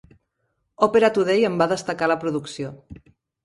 "Opera Today" en va destacar la producció.